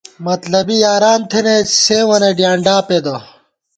مطلبی یاران تھنَئیت، سیوں وَنہ ڈیانڈاپېدہ